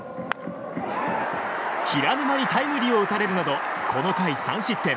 平沼にタイムリーを打たれるなどこの回３失点。